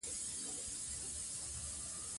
مور د ماشومانو سره په صبر چلند کوي.